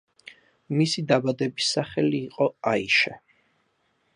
მისი დაბადების სახელი იყო აიშე.